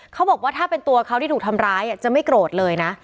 เขาบอกว่าถ้าเป็นตัวเขาที่ถูกทำร้ายจะไม่โกรธเลยนะ